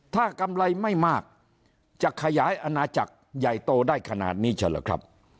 ถ้ากำไรไม่มากจะขยายอาณาจักรใหญ่โตได้ขนาดนี้เฉลอครับ